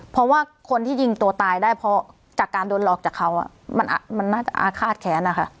เพราะว่าคนที่ยิงตัวตายได้เพราะจากการโดนหลอกจากเขามันน่าจะอาฆาตแค้นนะคะ